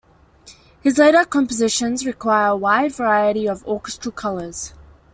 His later compositions require a wide variety of orchestral colours.